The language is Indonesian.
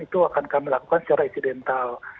itu akan kami lakukan secara isidental